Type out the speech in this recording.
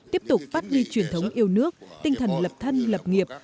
tiếp tục phát huy truyền thống yêu nước tinh thần lập thân lập nghiệp